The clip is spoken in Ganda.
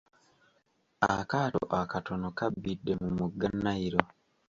Akaato akatono kabbidde mu mugga Nile.